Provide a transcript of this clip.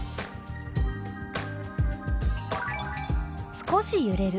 「少し揺れる」。